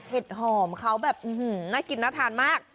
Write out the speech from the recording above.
เห็ดหอมเขาแบบอื้อหือน่ากินน้ำทานมาก